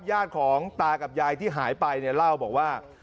ญาติของตากับยายที่หายไปเนี่ยเล่าบอกว่า